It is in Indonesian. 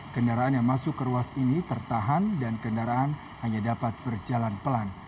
kendaraan yang masuk ke ruas ini tertahan dan kendaraan hanya dapat berjalan pelan